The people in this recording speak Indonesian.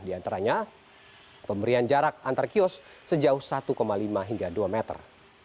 di antaranya pemberian jarak antar kios sejauh satu lima hingga dua meter